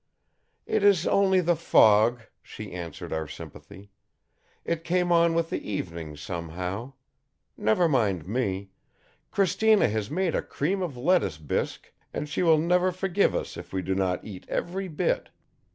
"It is only the fog," she answered our sympathy. "It came on with the evening, somehow. Never mind me. Cristina has made a cream of lettuce bisque, and she will never forgive us if we do not eat every bit.